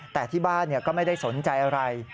แต่ที่บ้านก็ไม่ได้สนใจอะไร